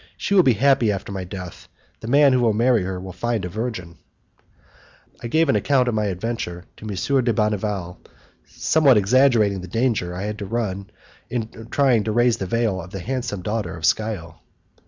She will be happy after my death. The man who will marry her will find her a virgin." I gave an account of my adventure to M. de Bonneval, somewhat exaggerating the danger I had run in trying to raise the veil of the handsome daughter of Scio.